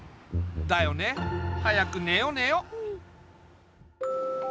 だよね。早くねよねよ。